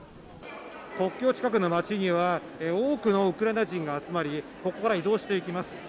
国境近くの街には、多くのウクライナ人が集まり、ここから移動していきます。